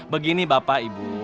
begini bapak ibu